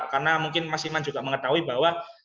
karena mungkin mas iman juga mengetahui bahwa